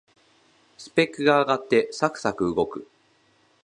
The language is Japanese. スペックが上がってサクサク動く